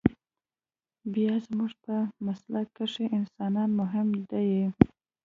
بيا زموږ په مسلک کښې انسان مهم ديه.